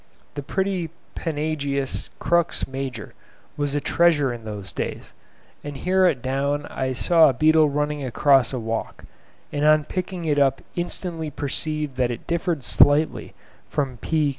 The pretty Panagaeus crux major was a treasure in those days, and here at Down I saw a beetle running across a walk, and on picking it up instantly perceived that it differed slightly from P.